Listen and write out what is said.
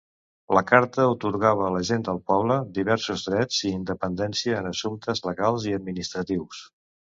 La carta atorgava a la gent del poble diversos drets i independència en assumptes legals i administratius.